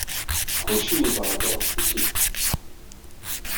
Kulci yeḍra-d ɣef tikelt.